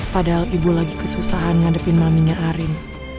padahal ibu lagi kesusahan ngadepin maminya arin